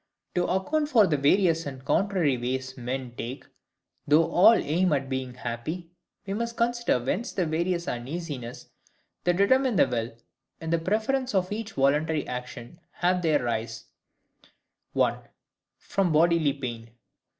To account for the various and contrary ways men take, though all aim at being happy, we must consider whence the VARIOUS UNEASINESSES that determine the will, in the preference of each voluntary action, have their rise:— 1. From bodily pain.